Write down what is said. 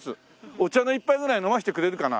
お茶の１杯ぐらい飲ませてくれるかな？